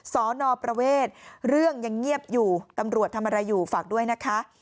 สอนอประเวทเรื่องยังเงียบอยู่ตำรวจทำอะไรอยู่ฝากด้วยนะคะ